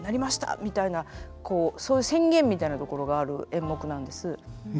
みたいなそういう宣言みたいなところがある演目なんです。